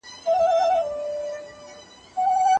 ایا په ګڼ ډګر کي مړ سړی او ږیره ښکاره سول؟